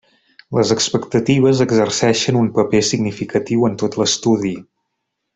Les expectatives exerceixen un paper significatiu en tot l'estudi.